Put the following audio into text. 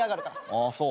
あっそう？